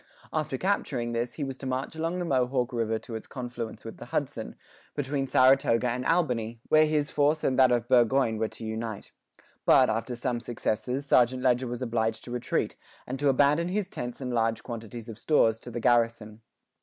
After capturing this, he was to march along the Mohawk river to its confluence with the Hudson, between Saratoga and Albany, where his force and that of Burgoyne were to unite. But, after some successes, St. Leger was obliged to retreat, and to abandon his tents and large quantities of stores to the garrison.